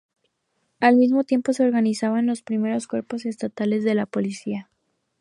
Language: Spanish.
Al mismo tiempo se organizaban los primeros cuerpos estatales de Policía.